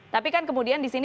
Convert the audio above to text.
tapi kan kemudian di sini